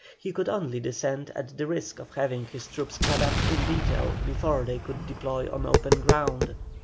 He could only descend at the risk of having his troops cut up in detail before they could deploy on open ground.